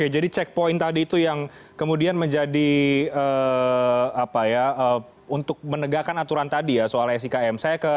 jadi checkpoint tadi itu yang kemudian menjadi untuk menegakkan aturan tadi soal sikm